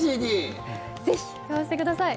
ぜひ、買わせてください！